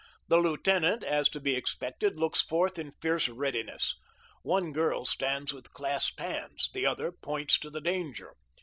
The lieutenant, as is to be expected, looks forth in fierce readiness. One girl stands with clasped hands. The other points to the danger.